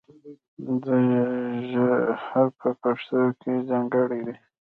د "ژ" حرف په پښتو کې ځانګړی دی.